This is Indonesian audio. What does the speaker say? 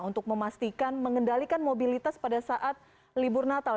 untuk memastikan mengendalikan mobilitas pada saat libur natal